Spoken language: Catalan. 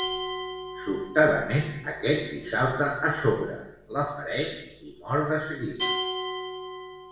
Sobtadament, aquest li salta a sobre, la fereix i mor de seguida.